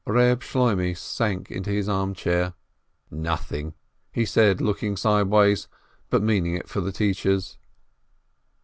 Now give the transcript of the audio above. Reb Shloimeh sank into his arm chair. "Nothing," he said, looking sideways, but meaning it for the teachers.